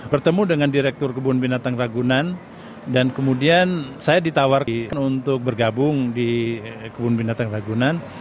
bertemu dengan direktur kebun binatang ragunan dan kemudian saya ditawarkan untuk bergabung di kebun binatang ragunan